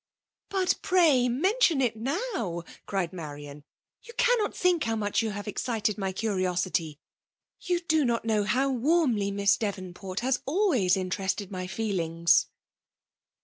"'♦' But pray mention it now !" cried Marian :" you cannot think how much you have ex cited my curiosity ;— ^you do not know how warmly Miss Davenport has always interested my* fedings